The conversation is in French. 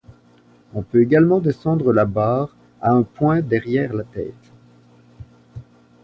On peut également descendre la barre à un point derrière la tête.